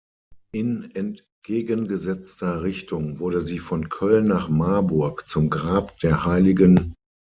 In entgegengesetzter Richtung wurde sie von Köln nach Marburg zum Grab der hl.